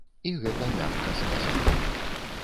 І гэта мякка сказана.